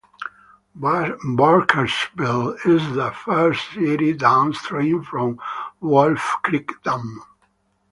Burkesville is the first city downstream from Wolf Creek Dam.